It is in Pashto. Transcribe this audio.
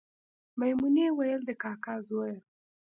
میمونې ویل د کاکا زویه